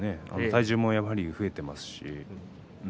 体重も増えていますし。